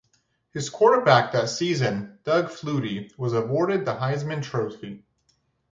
His quarterback that season, Doug Flutie, was awarded the Heisman Trophy.